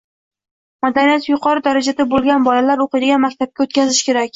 Madaniyati yuqori darajada bo‘lgan bolalar o‘qiydigan maktabga o'tkazish kerak.